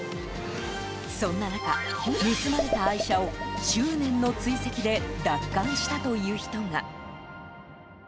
そんな中、盗まれた愛車を執念の追跡で奪還したという人が。